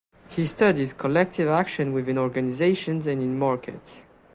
He studies collective action within organizations and in markets.